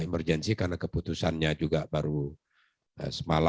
emergensi karena keputusannya juga baru semalam atau hari ini kepala badan pengelola keuangan